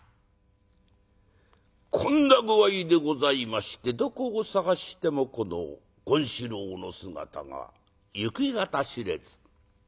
こんな具合でございましてどこを捜してもこの権四郎の姿が行き方知れず。